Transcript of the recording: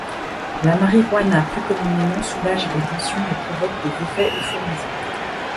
La marijuana plus communément soulage les tensions et provoque des effets euphorisants.